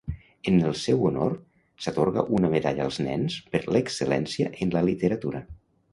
En el seu honor, s'atorga una medalla als nens per l'excel·lència en la literatura.